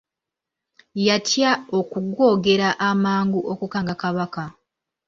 Yatya okugwogera amangu okukanga Kabaka.